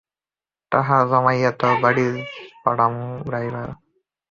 টাহা জোমাইয়া তোর বাড়ি পাডামু রায়বার।